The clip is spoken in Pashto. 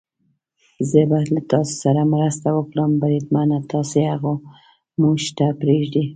زه به له تاسو سره مرسته وکړم، بریدمنه، تاسې هغه موږ ته پرېږدئ.